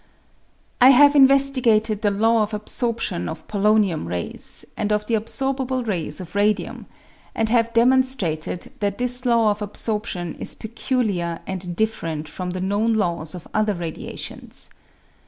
I have investigated the law of absorption of polonium rays, and of the absorbable rays of radium, and ha%e demonstrated that this law of absorption is peculiar and different from the known laws of other radiations.